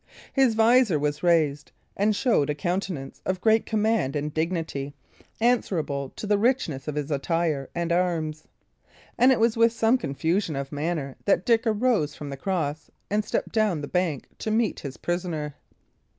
His visor was raised, and showed a countenance of great command and dignity, answerable to the richness of his attire and arms. And it was with some confusion of manner that Dick arose from the cross and stepped down the bank to meet his prisoner.